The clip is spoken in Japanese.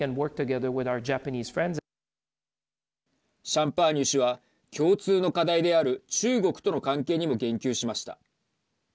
シャンパーニュ氏は共通の課題である中国との関係にも言及しました。